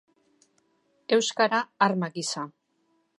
Euskara, arma gisa.